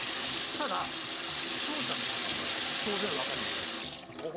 ただ視聴者の方も、当然分かりません。